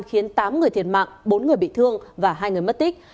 khiến tám người thiệt mạng bốn người bị thương và hai người mất tích